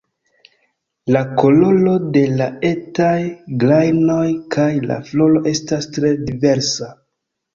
La koloro de la etaj grajnoj kaj la floro estas tre diversa.